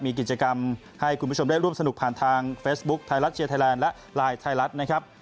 มีกิจกรรมให้คุณผู้ชมได้ร่วมสนุกผ่านทางเฟซบุ๊คไทยรัฐเชียร์ไทยแลนด์และไลน์ไทยรัฐนะครับ